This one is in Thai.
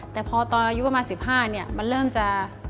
แต่พอตอนอายุประมาณ๑๕เนี่ยมันเริ่มจะ